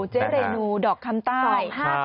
เจ๊เรนูดอกคำใต้